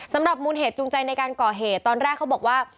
มูลเหตุจูงใจในการก่อเหตุตอนแรกเขาบอกว่า